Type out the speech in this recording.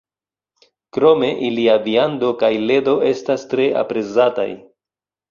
Krome, ilia viando kaj ledo estas tre aprezataj.